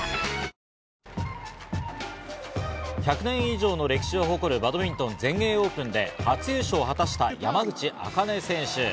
１００年以上の歴史を誇るバドミントン全英オープンで初優勝を果たした山口茜選手。